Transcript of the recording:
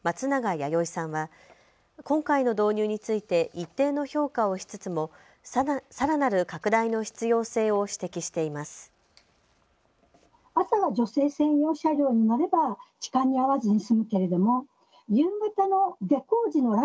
弥生さんは今回の導入について一定の評価をしつつもさらなる拡大の必要性を指摘しています。